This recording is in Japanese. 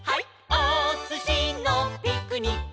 おすしのピクニック」